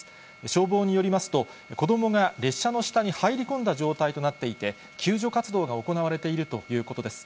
消防によりますと、子どもが列車の下に入り込んだ状態となっていて、救助活動が行われているということです。